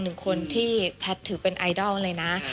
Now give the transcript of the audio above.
หนึ่งคนที่แพทย์ถือเป็นไอดอลเลยนะ